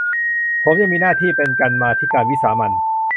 ผมยังมีหน้าที่เป็นกรรมาธิการวิสามัญ